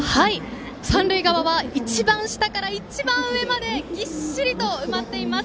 三塁側は一番下から一番上までぎっしりと埋まっています。